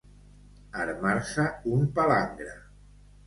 Armar-se un palangre.